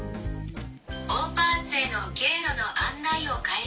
「オーパーツへの経路の案内を開始します」。